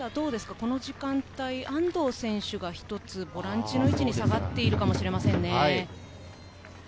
この時間帯、安藤選手がボランチの位置に下がっているかもしれませんね。